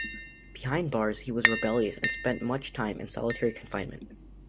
Behind bars, he was rebellious and spent much time in solitary confinement.